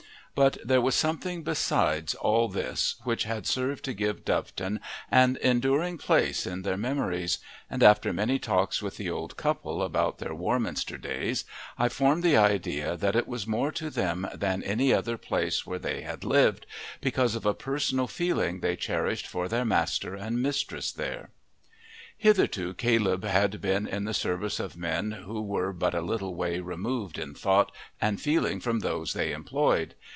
But there was something besides all this which had served to give Doveton an enduring place in their memories, and after many talks with the old couple about their Warminster days I formed the idea that it was more to them than any other place where they had lived, because of a personal feeling they cherished for their master and mistress there. Hitherto Caleb had been in the service of men who were but a little way removed in thought and feeling from those they employed.